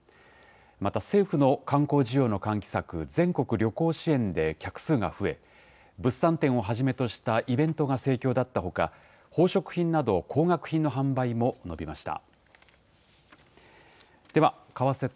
また、政府の観光需要の喚起策、全国旅行支援で客数が増え、物産展をはじめとしたイベントが盛況だったほか、宝飾品など、高額品の販売も伸びました。